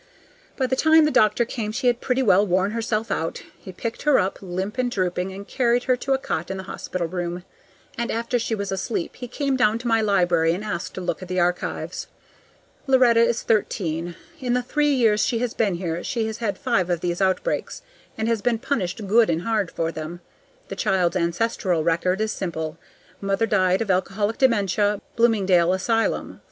By the time the doctor came she had pretty well worn herself out. He picked her up, limp and drooping, and carried her to a cot in the hospital room; and after she was asleep he came down to my library and asked to look at the archives. Loretta is thirteen; in the three years she has been here she has had five of these outbreaks, and has been punished good and hard for them. The child's ancestral record is simple: "Mother died of alcoholic dementia, Bloomingdale Asylum.